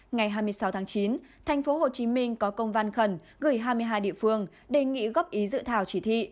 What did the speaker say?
ngày hai mươi sáu tháng chín tp hcm có công văn khẩn gửi hai mươi hai địa phương đề nghị góp ý dự thảo chỉ thị